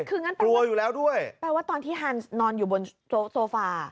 กลัวอยู่แล้วแปลว่าตอนที่ฮันท์นอนอยู่บนโซฟา